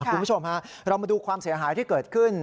คุณผู้ชมฮะเรามาดูความเสียหายที่เกิดขึ้น